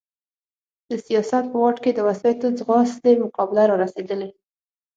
د سیاست په واټ کې د وسایطو ځغاستې مقابله را رسېدلې.